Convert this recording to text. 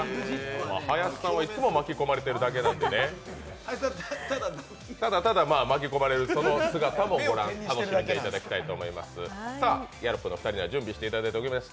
林さんは、いつも巻き込まれてるだけなのでね。ただただ巻き込まれる、その姿も楽しんでいただければと思います。